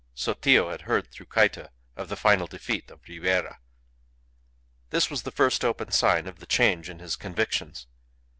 Sotillo had heard through Cayta of the final defeat of Ribiera. This was the first open sign of the change in his convictions.